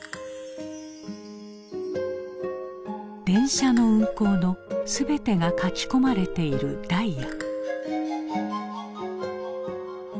電車の運行の全てが書き込まれているダイヤ。